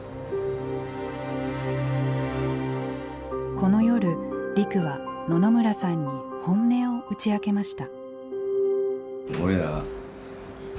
この夜リクは野々村さんに本音を打ち明けました。